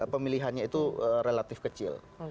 pemilihannya itu relatif kecil